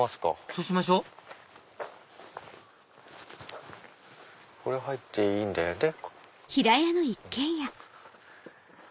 そうしましょうこれ入っていいんだよね。